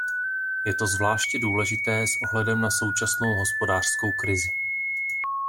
Je to zvláště důležité s ohledem na současnou hospodářskou krizi.